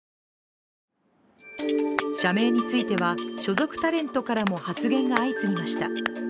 社名については、所属タレントからも発言が相次ぎました。